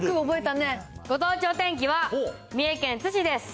ご当地お天気は、三重県津市です。